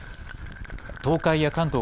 東海や関東